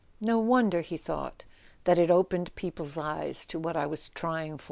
"No wonder," he thought, "it opened people's eyes to what I was trying for."